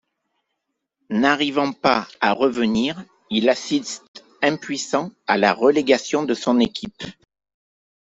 N'arrivant pas à revenir, il assiste impuissant à la relégation de son équipe.